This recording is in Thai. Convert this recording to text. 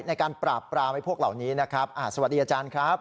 ในการปราบปรามให้พวกเหล่านี้นะครับสวัสดีอาจารย์ครับ